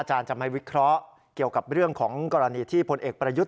จะไม่วิเคราะห์เกี่ยวกับเรื่องของกรณีที่พลเอกประยุทธ์